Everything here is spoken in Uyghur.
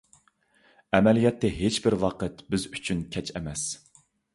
ئەمەلىيەتتە ھېچبىر ۋاقىت بىز ئۈچۈن كەچ ئەمەس.